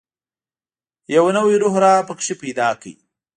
یو نوی روح یې را پکښې پیدا کړ.